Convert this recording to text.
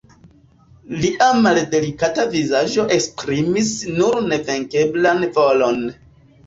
Lia maldelikata vizaĝo esprimis nur nevenkeblan volon.